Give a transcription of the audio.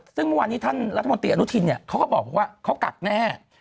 ซึ่งเมื่อวานนี้ท่านรัฐมนตรีอนุทินเนี่ยเขาก็บอกว่าเขากักแน่